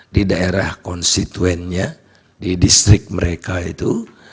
di daerah konstituennya di distrik mereka itu